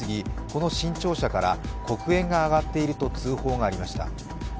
この新庁舎から黒煙が上がっていると通報がありました。